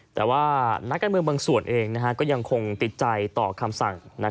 แต่ว่านักการเมืองบางส่วนเองก็ยังคงติดใจต่อคำสั่ง